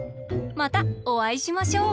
またおあいしましょう！